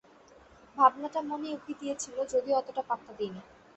ভাবনাটা মনে উঁকি দিয়েছিল, যদিও অতটা পাত্তা দিইনি।